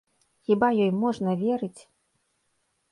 Хіба ёй можна верыць!